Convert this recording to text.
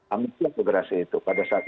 ambilan kegerasian itu pada saat itu